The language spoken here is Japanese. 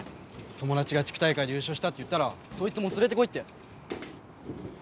友達が地区大会で優勝したって言ったらそいつも連れてこいって。